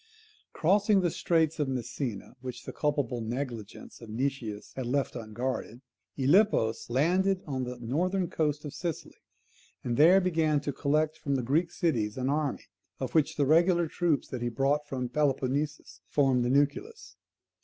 Crossing the straits of Messina, which the culpable negligence of Nicias had left unguarded, Gylippus landed on the northern coast of Sicily, and there began to collect from the Greek cities an army, of which the regular troops that he brought from Peloponnesus formed the nucleus.